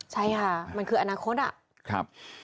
ใช่ค่ะมันคืออนาคตอะ